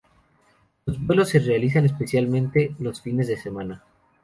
Los vuelos se realizan especialmente los fines de semana.